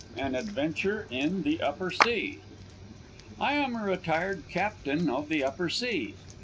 AN ADVENTURE IN THE UPPER SEA I am a retired captain of the upper sea.